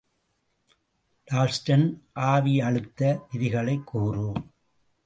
Dalton ஆவியழுத்த விதிகளைக் கூறு.